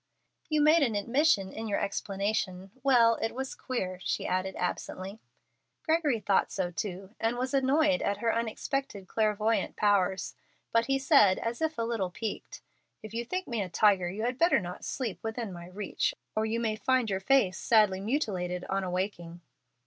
"You make an admission in your explanation. Well, it was queer," she added, absently. Gregory thought so too, and was annoyed at her unexpected clairvoyant powers. But he said, as if a little piqued, "If you think me a tiger you had better not sleep within my reach, or you may find your face sadly mutilated on awaking."